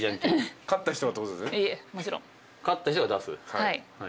はい。